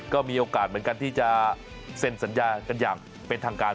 ก็มีโอกาสเหมือนกันที่จะเซ็นสัญญากันอย่างเป็นทางการ